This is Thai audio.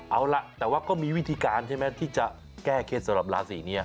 เอาล่ะแต่ว่าก็มีวิธีการใช่ไหมที่จะแก้เคล็ดสำหรับราศีนี้